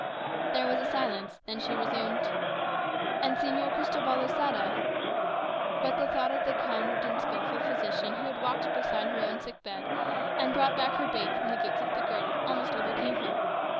There was a silence, then she resumed, "And Señor Cristobal Losada " but the thought of the kind and skilful physician who had watched beside her own sick bed, and brought back her babe from the gates of the grave, almost overcame her.